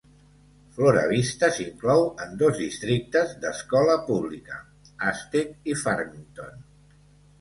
Flora Vista s'inclou en dos districtes d'escola pública: Aztec i Farmington.